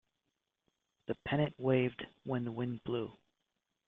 The pennant waved when the wind blew.